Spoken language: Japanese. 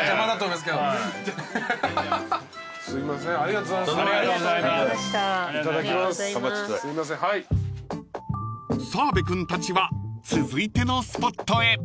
［澤部君たちは続いてのスポットへ］